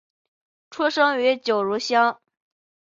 出生于九如乡。